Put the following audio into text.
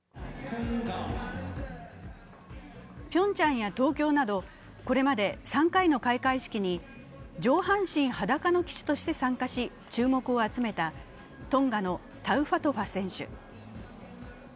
ピョンチャンや東京などこれまで３回の開会式に上半身裸の旗手として参加し、注目を集めたトンガのタウファトフア選手。